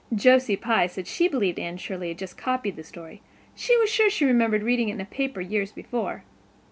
Josie Pye said she believed Anne Shirley had just copied the story; she was sure she remembered reading it in a paper years before.